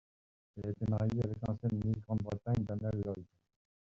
Il a été marié avec l'ancienne Miss Grande-Bretagne Danielle Lloyd.